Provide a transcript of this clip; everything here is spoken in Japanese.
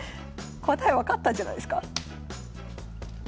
答え分かったんじゃないですか？